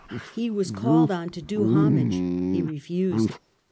He was called on to do homage. He refused.